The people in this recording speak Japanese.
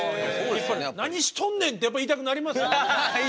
「何しとんねん」ってやっぱり言いたくなりますよね。